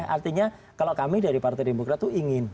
artinya kalau kami dari partai demokrat itu ingin